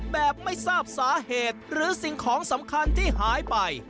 แบบไม่ทราบสาเหตุหรือสิ่งของสำคัญที่หายไป